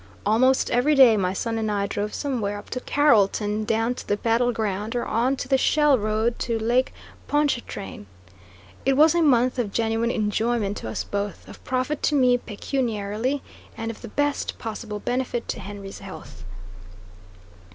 Almost every day my son and I drove somewhere up to Carrolton, down to the battle ground, or on the shell road to Lake Ponchartrain. It was a month of genuine enjoyment to us both; of profit to me pecuniarily; and of the best possible benefit to Henry's health.